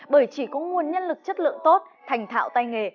bởi chỉ có nguồn nhân lực chất lượng tốt thành thạo tay nghề